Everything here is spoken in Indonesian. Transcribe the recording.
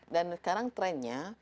dan sekarang trennya